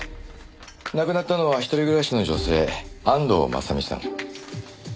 亡くなったのは一人暮らしの女性安藤雅美さん。